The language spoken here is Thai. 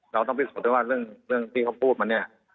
เราต้องพิสูจน์ด้วยว่าเรื่องที่เขาพูดมาเนี่ย